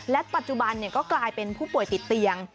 ปัจจุบันก็กลายเป็นผู้ป่วยติดเตียง